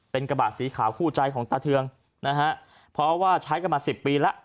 เป็นกระบะสีขาวคู่ใจของตาเทืองนะฮะเพราะว่าใช้กันมาสิบปีแล้ว